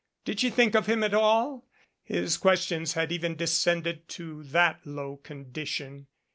Did she think of him at all? His questions had even descended to that low condition.